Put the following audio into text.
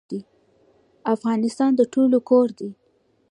افغانستان د ټولو کور دی